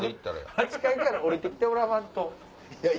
８階から下りて来てもらわんと！